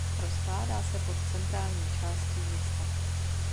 Rozkládá se pod centrální částí města.